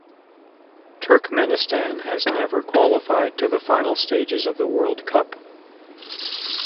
Turkmenistan have never qualified to the final stages of the World Cup.